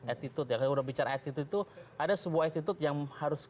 attitude ya kayak udah bicara attitude itu ada sebuah attitude yang harus